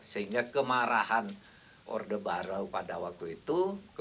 sehingga kemarahan orde baru pada waktu itu